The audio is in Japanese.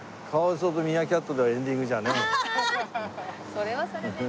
それはそれでね。